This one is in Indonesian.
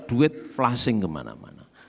duit flashing kemana mana